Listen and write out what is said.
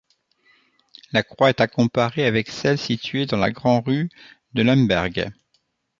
La croix est à comparer avec celle située dans la grande rue de Lemberg.